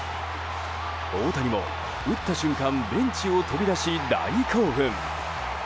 大谷も打った瞬間ベンチを飛び出し大興奮。